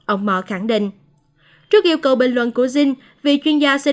ông moore khẳng định